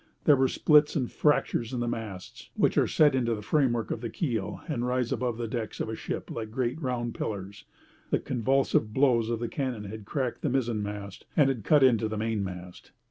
There were splits and fractures in the masts, which are set into the framework of the keel and rise above the decks of ships like great, round pillars. The convulsive blows of the cannon had cracked the mizzen mast, and had cut into the main mast.